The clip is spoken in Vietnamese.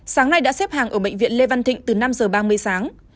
sáng nay đã xếp hàng ở bệnh viện lê văn thịnh từ năm giờ ba mươi sáng